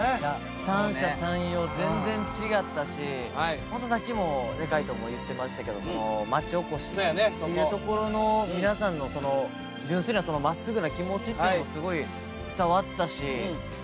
三者三様全然違ったしホントさっきも海人も言ってましたけど町おこしというところの皆さんのその純粋なまっすぐな気持ちっていうのもすごい伝わったし。